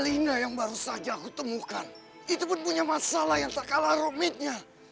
lina yang baru saja aku temukan itu pun punya masalah yang tak kalah rumitnya